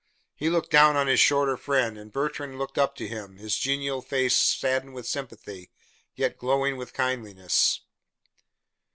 He looked down on his shorter friend, and Bertrand looked up to him, his genial face saddened with sympathy, yet glowing with kindliness.